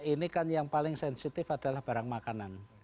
ini kan yang paling sensitif adalah barang makanan